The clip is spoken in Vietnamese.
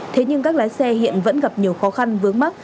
thế nhưng các lái xe hiện vẫn gặp nhiều khó khăn vướng mắt